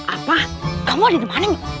apa kamu ada dimana